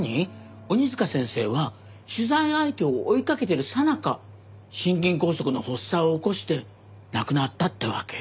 鬼塚先生は取材相手を追いかけてるさなか心筋梗塞の発作を起こして亡くなったってわけ？